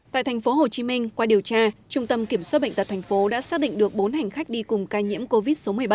tại thành phố hồ chí minh qua điều tra trung tâm kiểm soát bệnh tật thành phố đã xác định được bốn hành khách đi cùng ca nhiễm covid một mươi bảy